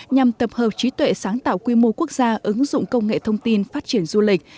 nhằm tập hợp trí tuệ sáng tạo quy mô quốc gia ứng dụng công nghệ thông tin phát triển du lịch